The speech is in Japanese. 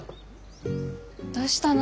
どしたの？